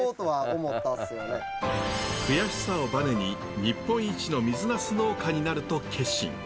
悔しさをバネに日本一の水ナス農家になると決心。